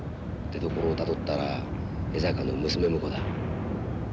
出どころをたどったら江坂の娘婿だ。